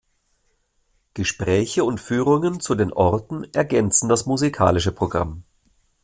Gespräche und Führungen zu den Orten ergänzen das musikalische Programm.